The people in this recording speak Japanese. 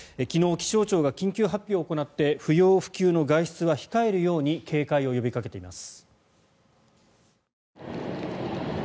昨日、気象庁が緊急発表を行って不要不急の外出は控えるように警戒を呼びかけています。